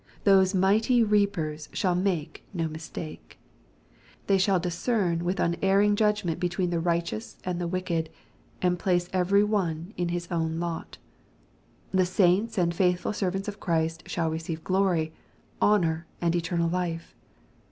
Those mighty reapers shall make no mistake. They shall discern with unerring judgment between the righteous and ihh wicked, and place every one in his own lot. The saints and faithful servants of Christ shall receive glory, honor, and eternal life.